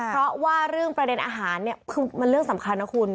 เพราะว่าเรื่องประเด็นอาหารเนี่ยคือมันเรื่องสำคัญนะคุณ